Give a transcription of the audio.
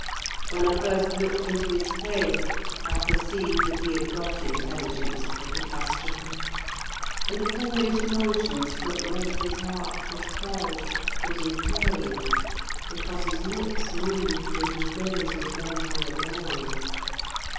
When I first looked into his face, I perceived that he had got intelligence of the catastrophe; and a foolish notion struck me that his heart was quelled and he prayed, because his lips moved and his gaze was bent on the ground.